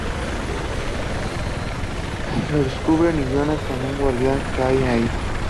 Los descubren y Jonas con un guardia caen allí.